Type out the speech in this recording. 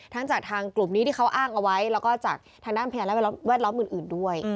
จากทางกลุ่มนี้ที่เขาอ้างเอาไว้แล้วก็จากทางด้านพยานแวดล้อมอื่นด้วย